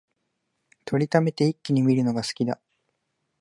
録りためて一気に観るのが好きだ